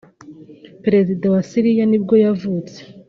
perezida wa Syria ni bwo yavutse